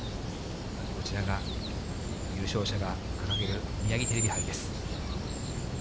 こちらが優勝者が掲げるミヤギテレビ杯です。